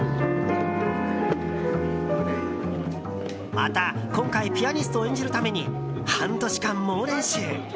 また、今回ピアニストを演じるために半年間、猛練習。